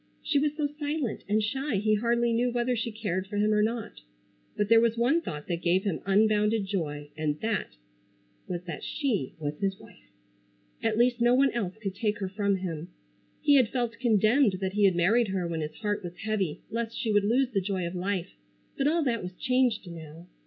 She was so silent and shy he hardly knew whether she cared for him or not. But there was one thought that gave him unbounded joy and that was that she was his wife. At least no one else could take her from him. He had felt condemned that he had married her when his heart was heavy lest she would lose the joy of life, but all that was changed now.